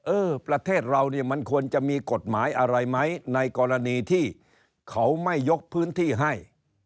เออประเทศเราเนี่ยมันควรจะมีกฎหมายอะไรไหมในกรณีที่เขาไม่ยกพื้นที่ให้